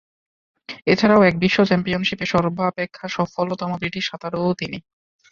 এছাড়াও, এক বিশ্ব চ্যাম্পিয়নশীপে সর্বাপেক্ষা সফলতম ব্রিটিশ সাঁতারু তিনি।